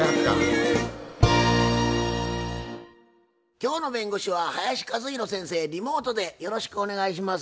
今日の弁護士は林一弘先生リモートでよろしくお願いします。